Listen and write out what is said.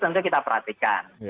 tentu kita perhatikan